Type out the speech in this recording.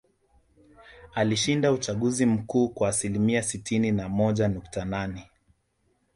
Alishinda uchaguzi mkuu kwa asilimia sitini na moja nukta nane